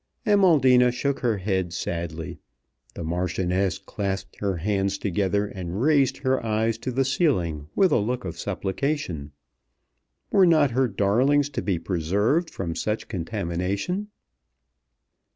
Amaldina shook her head sadly. The Marchioness clasped her hands together and raised her eyes to the ceiling with a look of supplication. Were not her darlings to be preserved from such contamination?